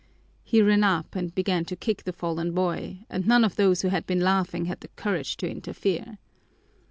He ran up and began to kick the fallen boy, and none of those who had been laughing had the courage to interfere.